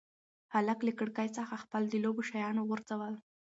هلک له کړکۍ څخه خپل د لوبو شیان وغورځول.